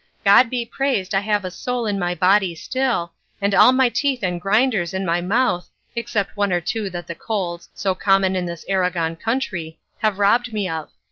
God be praised I have a soul in my body still, and all my teeth and grinders in my mouth, except one or two that the colds, so common in this Aragon country, have robbed me of.